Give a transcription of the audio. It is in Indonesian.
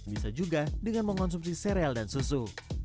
bisa juga dengan mengonsumsi sereal dan susu